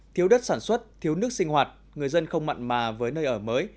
thiếu đất sản xuất thiếu nước sinh hoạt người dân không mặn mà với nơi ở mới